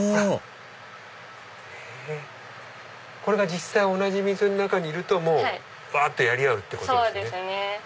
実際同じ水の中にいるとわっとやり合うってことですね。